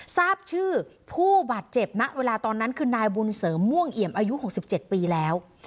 ทราบชื่อผู้บาดเจ็บณเวลาตอนนั้นคือนายบุญเสริมม่วงเอี่ยมอายุ๖๗ปีแล้ว